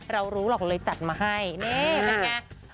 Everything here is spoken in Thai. เรารู้หรอกเลยจัดมาให้นี่เป็นไง